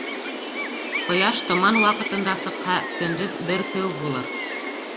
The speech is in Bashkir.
Ҡояш томан ваҡытында сыҡһа, көндөҙ бөркөү булыр.